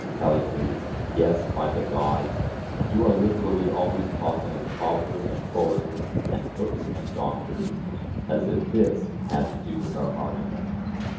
CALLICLES: Yes, by the Gods, you are literally always talking of cobblers and fullers and cooks and doctors, as if this had to do with our argument.